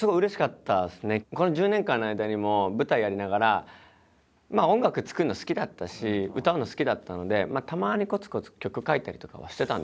この１０年間の間にも舞台やりながらまあ音楽作るの好きだったし歌うの好きだったのでたまにこつこつ曲書いたりとかはしてたんですよ。